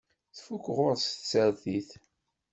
Tfuk ɣur-s tsertit.